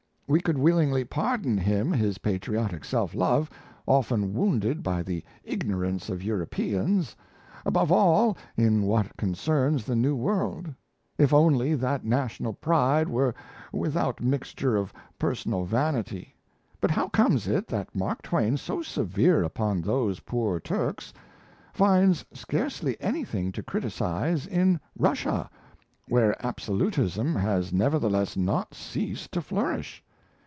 ... We could willingly pardon him his patriotic self love, often wounded by the ignorance of Europeans, above all in what concerns the New World, if only that national pride were without mixture of personal vanity; but how comes it that Mark Twain, so severe upon those poor Turks, finds scarcely anything to criticize in Russia, where absolutism has nevertheless not ceased to flourish?